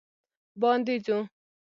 باندې ځو